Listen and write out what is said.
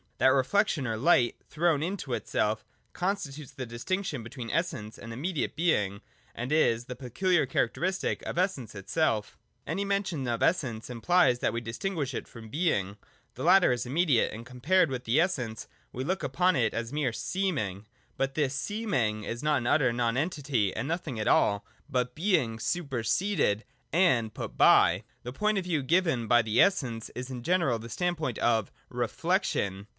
That reflection, or light thrown into itself, constitutes the distinction between Essence and immediate Being, and is the peculiar characteristic of Essence itself Any mention of Essence implies that we distinguish it from Being : the latter is immediate, and, compared with the Essence, we look upon it as mere seeming. But this seem ing is not an utter nonentity and nothing at all, but Being superseded and put by. The point of view given by the Essence is in general the standpoint of ' Reflection.'